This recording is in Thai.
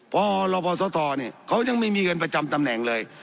พรปศธเขายังไม่มีเงินประจำตำแหน่งเลย